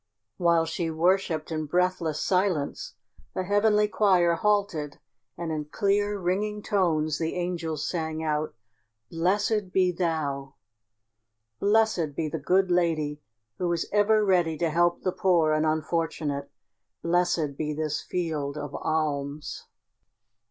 While she worshipped in breathless silence the heavenly choir halted and in clear, ringing tones the angels sang out: "Blessed be thou!" "Blessed be the good lady who is ever ready to help the poor and unfortunate! Blessed be this Field of Alms."